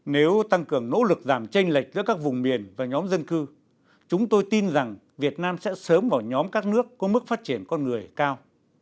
nếu tăng cường nỗ lực giảm tranh lệch giữa các vùng miền và nhóm dân cư chúng tôi tin rằng việt nam sẽ sớm vào nhóm các nước có mức phát triển con người cao